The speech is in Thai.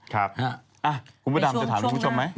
ครับอ่ะคุณผู้ดำจะถามให้ผู้ชมไหม